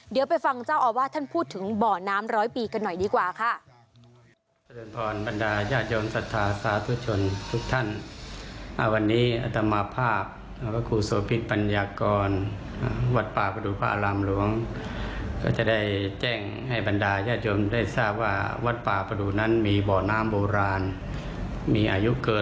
เดี๋ยวไปฟังเจ้าอาวาสท่านพูดถึงบ่อน้ำร้อยปีกันหน่อยดีกว่าค่ะ